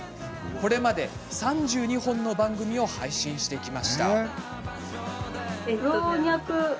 これまで３２本の番組を配信してきました。